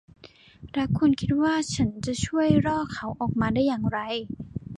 และคุณคิดว่าฉันจะช่วยล่อเขาออกมาได้อย่างไร